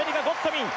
ウィン